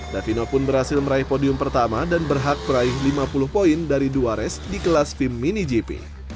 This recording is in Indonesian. davino pun berhasil meraih podium pertama dan berhak meraih lima puluh poin dari dua race di kelas fim mini gp